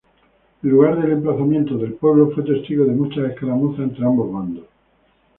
El lugar del emplazamiento del pueblo fue testigo de muchas escaramuzas entre ambos bandos.